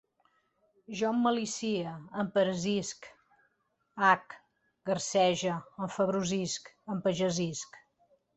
Jo emmalicie, emperesisc, hac, garsege, enfebrosisc, empagesisc